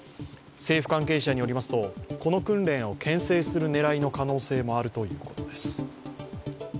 政府関係者によりますとこの訓練をけん制する狙いの可能性もあるということです。